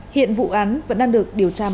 hiện vụ án vẫn đang được điều tra mở rộng